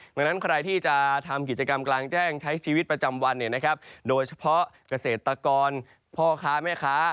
ดังนั้นใครที่จะทำกิจกรรมกลางแจ้งใช้ชีวิตประจำวันโดยเฉพาะเกษตรกรพ่อค้าแม่ค้า